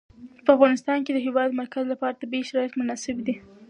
په افغانستان کې د د هېواد مرکز لپاره طبیعي شرایط مناسب دي.